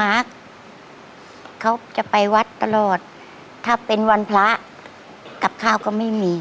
มาร์คเขาจะไปวัดตลอดถ้าเป็นวันพระกับข้าวก็ไม่มี